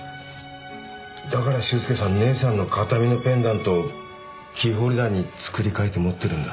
だから修介さん姉さんの形見のペンダントをキーホルダーに作り替えて持ってるんだ。